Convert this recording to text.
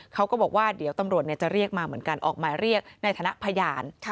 เขาก็บอกว่าเดี๋ยวตำรวจจะเรียกมาเหมือนกันออกหมายเรียกในฐานะพยาน